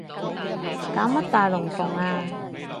搞乜大龍鳳啊